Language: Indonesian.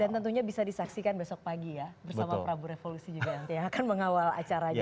dan tentunya bisa disaksikan besok pagi ya bersama prabu revolusi juga nanti ya akan mengawal acaranya